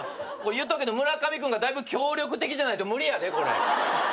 言っとくけどムラカミ君がだいぶ協力的じゃないと無理やでこれ。